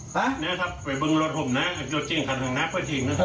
บุกนี่ครับไปเบิ้งรถผมนะรถจริงขนาดนั้นพอทิ้งนะครับ